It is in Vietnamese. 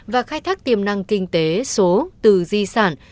và khai thác tiềm năng kinh tế số từ di sản